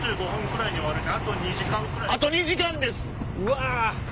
あと２時間です！